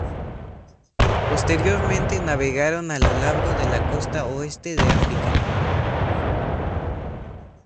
Posteriormente, navegaron a lo largo de la costa oeste de África.